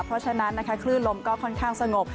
เพราะฉะนั้นนะคะคลื่นลมก็ค่อนข้างสงบ